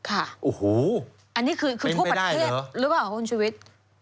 อันนี้คือผู้ประเทศหรือว่าผู้ชีวิต